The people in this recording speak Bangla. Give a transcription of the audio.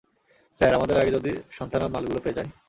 স্যার, আমাদের আগে যদি সান্থানাম মালগুলো পেয়ে যায়?